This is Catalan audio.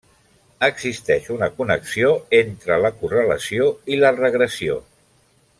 Existeix una connexió entre la correlació i la regressió.